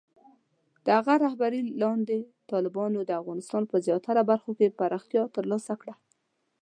د هغه رهبرۍ لاندې، طالبانو د افغانستان په زیاتره برخو کې پراختیا ترلاسه کړه.